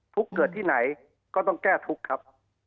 เกิดที่ไหนก็ต้องแก้ทุกข์ครับ